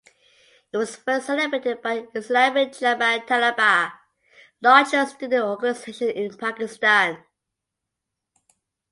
It was first celebrated by Islami Jamiat Talaba(Largest Student Organization In Pakistan).